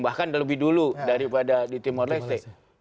bahkan lebih dulu daripada di timor leste